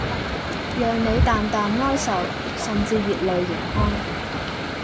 讓你淡淡哀愁、甚至熱淚盈眶